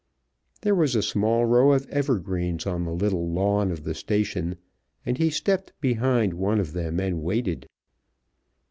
There was a small row of evergreens on the little lawn of the station, and he stepped behind one of them and waited.